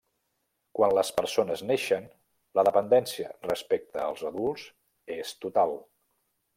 Quan les persones neixen, la dependència respecte als adults és total.